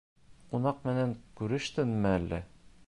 -Ҡунаҡ менән күрештеңме әле?